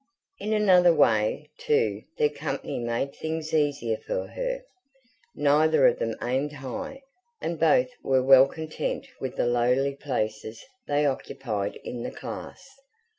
In another way, too, their company made things easier for her: neither of them aimed high; and both were well content with the lowly places they occupied in the class.